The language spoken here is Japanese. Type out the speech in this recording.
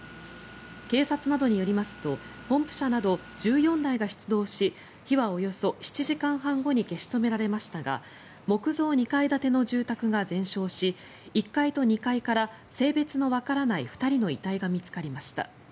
警察などによりますとポンプ車など１４台が出動し火はおよそ７時間半後に消し止められましたが木造２階建ての住宅が全焼し１階と２階から性別のわからない２人の遺体が見つかりました。